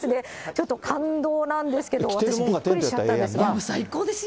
ちょっと感動なんですけど、私、びっくりしちゃったんですが。